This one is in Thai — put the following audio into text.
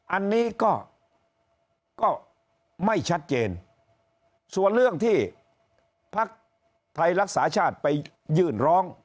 อันนี้ก็ไม่ชัดเจนส่วนเรื่องที่พักไทยรักษาชาติไปยื่นร้อง